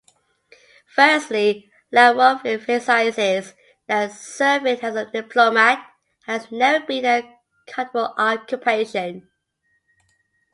Firstly, Lavrov emphasizes that serving as a diplomat has never been a comfortable occupation.